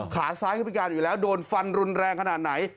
ขาซ้ายเขาพิการอยู่แล้วโดนฟันรุนแรงขนาดไหน